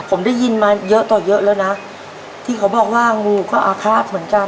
ผมได้ยินมาเยอะต่อเยอะแล้วนะที่เขาบอกว่างูก็อาฆาตเหมือนกัน